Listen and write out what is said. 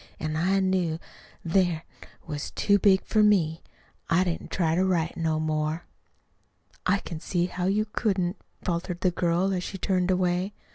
An' I knew then't was too big for me. I didn't try to write no more." "I can see how you couldn't," faltered the girl, as she turned away.